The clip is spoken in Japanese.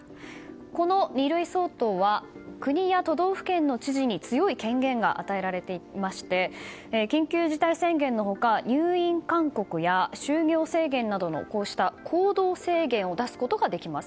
この二類相当は国や都道府県の知事に強い権限が与えられていまして緊急事態宣言の他入院勧告や就業制限などの行動制限を出すことができます。